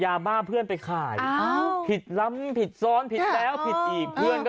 ยาบ้าเพื่อนไปขายอ้าวผิดรั้มผิดซ้อนผิดแซวผิดอีกเพื่อนก็